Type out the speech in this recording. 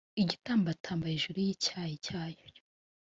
igatambatamba hejuru y’icyari cyayo.